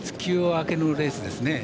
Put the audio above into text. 明けのレースですね。